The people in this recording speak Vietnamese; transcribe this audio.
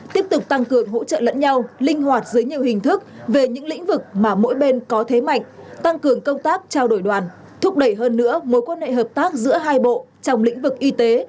tiếp tục tăng cường hỗ trợ lẫn nhau linh hoạt dưới nhiều hình thức về những lĩnh vực mà mỗi bên có thế mạnh tăng cường công tác trao đổi đoàn thúc đẩy hơn nữa mối quan hệ hợp tác giữa hai bộ trong lĩnh vực y tế